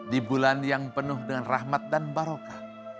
di bulan yang penuh dengan rahmat dan barokah